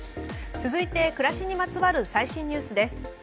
続いて暮らしにまつわる最新ニュースです。